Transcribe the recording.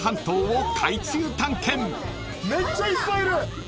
めっちゃいっぱいいる！